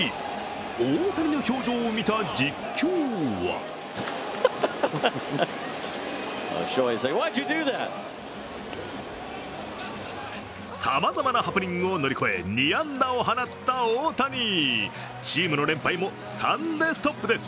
大谷の表情を見た実況はさまざまなハプニングを乗り越え２安打を放った大谷、チームの連敗も３でストップです。